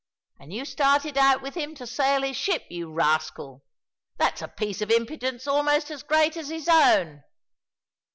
And you started out with him to sail his ship, you rascal? That's a piece of impudence almost as great as his own."